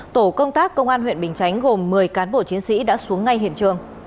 tổ công tác công an huyện bình chánh gồm một mươi cán bộ chiến sĩ đã xuống ngay hiện trường